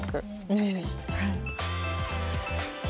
ぜひぜひ。